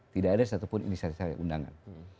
tidak ada satupun ini syarif saya undangan